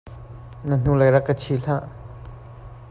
Na hnulei rak ka chi hlah.